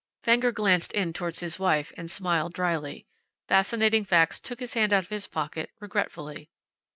Fenger glanced in toward his wife, and smiled, dryly. Fascinating Facts took his hand out of his pocket, regretfully.